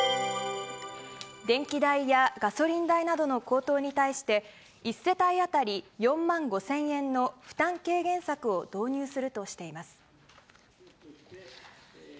電気代やガソリン代などの高騰に対して、１世帯当たり４万５０００円の負担軽減策を導入するとしています。